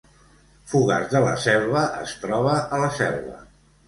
Fogars de la Selva es troba a la Selva